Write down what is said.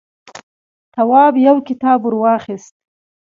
تواب يو کتاب ور واخيست.